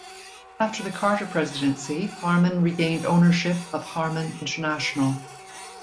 After the Carter presidency, Harman regained ownership of Harman International.